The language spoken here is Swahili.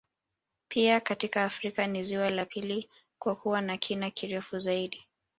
Pia katika Afrika ni ziwa la pili kwa kuwa na kina kirefu zaidi